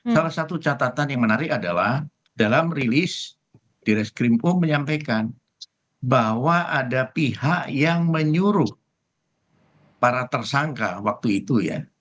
salah satu catatan yang menarik adalah dalam rilis di reskrimpo menyampaikan bahwa ada pihak yang menyuruh para tersangka waktu itu ya